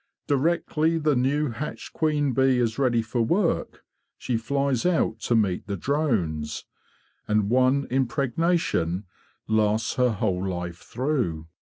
Directly the new hatched queen bee is ready for work, she flies out to meet the drones; and one impregnation lasts her whole life through.